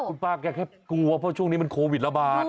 คุณป้าแกแค่กลัวเพราะช่วงนี้มันโควิดระบาด